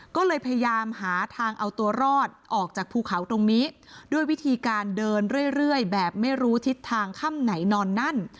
ก็เลยพยายามหาทางเอาตัวรอดออกจากภูเขาตรงนี้ด้วยวิธีการเดินเรื่อยแบบไม่รู้ทิศทางค่ำไหนนอนนั่น